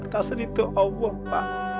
tas itu allah pak